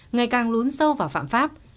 ngày càng lún sâu vào phạm pháp